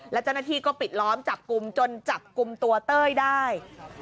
และเจ้าหน้าที่ก็ปิดล้อมจับกลุ่มจนจับกลุ่มตัวเต้ยได้